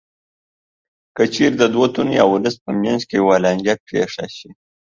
که چېرې د دوو تنو یا ولس په منځ کې یوه لانجه پېښه شي